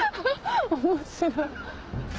面白い。